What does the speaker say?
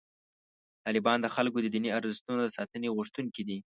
طالبان د خلکو د دیني ارزښتونو د ساتنې غوښتونکي دي.